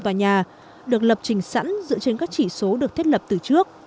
tòa nhà được lập trình sẵn dựa trên các chỉ số được thiết lập từ trước